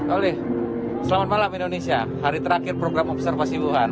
oleh selamat malam indonesia hari terakhir program observasi wuhan